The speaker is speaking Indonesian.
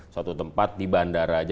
suatu tempat di bandara aja